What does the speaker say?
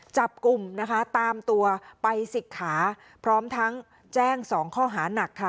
จับกลุ่มนะคะตามตัวไปสิกขาพร้อมทั้งแจ้ง๒ข้อหานักค่ะ